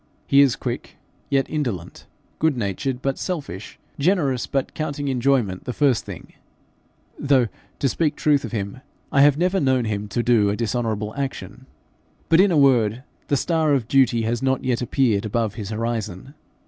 He is quick yet indolent, good natured but selfish, generous but counting enjoyment the first thing, though, to speak truth of him, I have never known him do a dishonourable action. But, in a word, the star of duty has not yet appeared above his horizon.